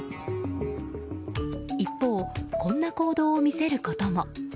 一方、こんな行動を見せることも。